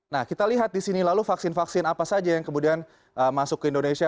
nah kita lihat di sini lalu vaksin vaksin apa saja yang kemudian masuk ke indonesia